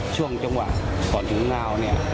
กระดาษพลังงานที่สำหรับหลักฮีวลีนนาววงตรีนาฬิการ